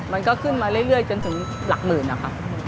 มันก็ขึ้นมาเรื่อยจนถึงหลักหมื่นนะคะ